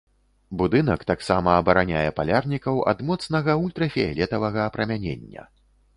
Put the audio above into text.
Будынак таксама абараняе палярнікаў ад моцнага ультрафіялетавага апрамянення.